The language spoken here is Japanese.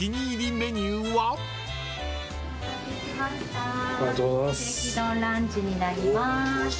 ステーキ丼ランチになります。